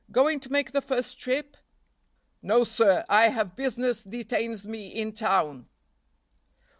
Going to make the first trip?" "No, sir! I have business detains me in town."